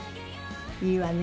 いいわね